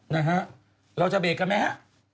นะฮะเราจะเบรกกันไหมฮะ